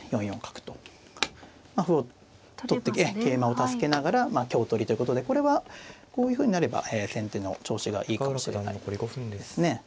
４四角とまあ歩を取って桂馬を助けながら香取りということでこれはこういうふうになればえ先手の調子がいいかもしれないですね。